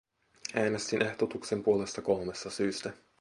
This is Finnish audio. Äänestin ehdotuksen puolesta kolmesta syystä.